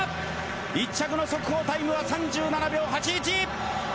１着の速報タイムは３７秒８１。